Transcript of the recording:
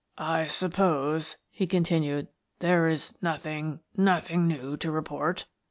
" I suppose," he continued, " there is nothing — nothing new to report?